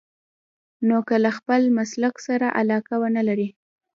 نو که له خپل مسلک سره علاقه ونه لرئ.